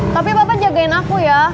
tapi bapak jagain aku ya